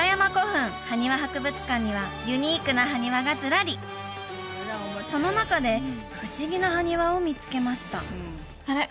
はにわ博物館にはユニークな埴輪がずらりその中で不思議な埴輪を見つけましたあれ？